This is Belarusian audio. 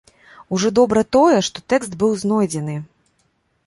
Ужо добра тое, што тэкст быў знойдзены!